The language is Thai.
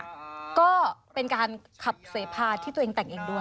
แล้วก็เป็นการขับเสพาที่ตัวเองแต่งเองด้วย